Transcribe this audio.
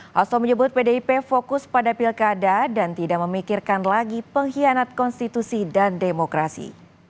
hasto menyebut pdip fokus pada pilkada dan tidak memikirkan lagi pengkhianat konstitusi dan demokrasi